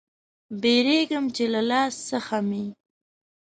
بیریږم چې له لاس څخه مې